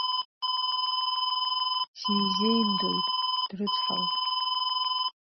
Сизеимдоит, дрыцҳауп.